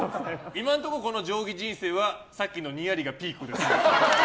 今のところ定規人生はさっきのにやりがピークです。